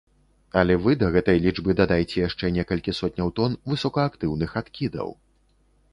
Але вы да гэтай лічбы дадайце яшчэ некалькі сотняў тон высокаактыўных адкідаў.